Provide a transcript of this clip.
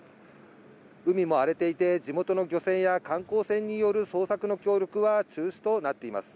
海も荒れていて、地元の漁船や観光船による捜索の協力は中止となっています。